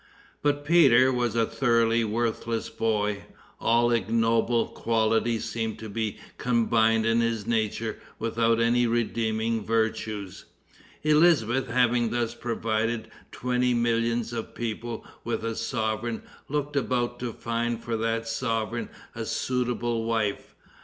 But Peter was a thoroughly worthless boy. All ignoble qualities seemed to be combined in his nature without any redeeming virtues. Elizabeth having thus provided twenty millions of people with a sovereign, looked about to find for that sovereign a suitable wife.